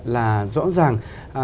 là rõ ràng